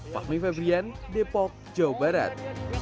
pak mifepian depok jawa barat